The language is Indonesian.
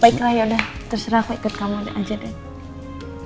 baiklah yaudah terserah aku ikut kamu aja deh